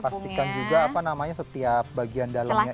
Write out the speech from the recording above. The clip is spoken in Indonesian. pastikan juga apa namanya setiap bagian dalamnya